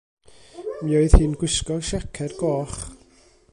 Mi oedd hi'n gwisgo siaced goch.